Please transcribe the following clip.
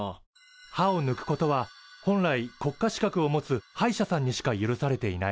歯をぬくことは本来国家資格を持つ歯医者さんにしか許されていない。